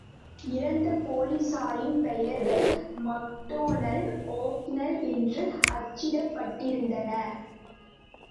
இறந்த போலிஸாரின் பெயர்கள் மக்டொன்னல், ஒகானல் என்று அச்சிடப்பட்டிருந்தன.